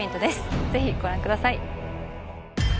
ぜひご覧ください。